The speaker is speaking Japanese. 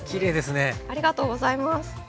ありがとうございます。